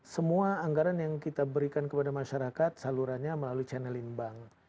semua anggaran yang kita berikan kepada masyarakat salurannya melalui channeling bank